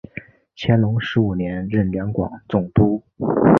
乾隆十五年任两广总督。